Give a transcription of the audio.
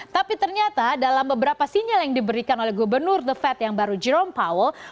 tapi ternyata dalam beberapa sinyal yang diberikan oleh gubernur the fed yang baru jerome powell